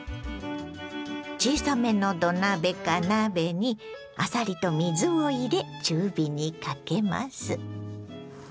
小さめの土鍋か鍋にあさりと水を入れ中火にかけます。